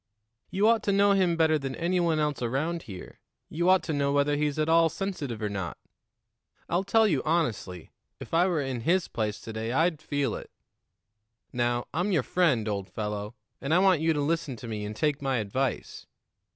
"You ought to know him better than any one else around here; you ought to know whether he's at all sensitive or not. I'll tell you honestly, if I were in his place to day, I'd feel it. Now, I'm your friend, old fellow, and I want you to listen to me and take my advice.